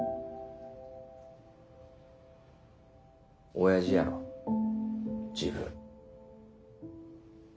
おやじやろ自分。